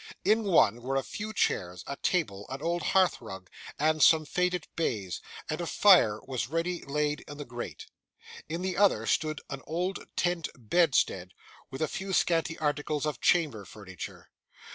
In one, were a few chairs, a table, an old hearth rug, and some faded baize; and a fire was ready laid in the grate. In the other stood an old tent bedstead, and a few scanty articles of chamber furniture.